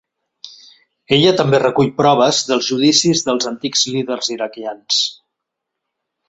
Ella també recull proves dels judicis dels antics líders iraquians.